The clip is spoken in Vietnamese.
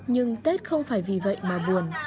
nhưng tết không phải vì vậy mà buồn